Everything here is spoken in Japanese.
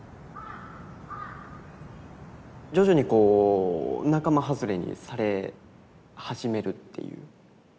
徐々にこう仲間外れにされ始めるっていう。